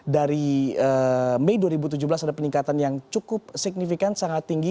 dari mei dua ribu tujuh belas ada peningkatan yang cukup signifikan sangat tinggi